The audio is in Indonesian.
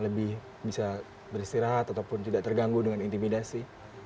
lebih bisa beristirahat ataupun tidak terganggu dengan intimidasi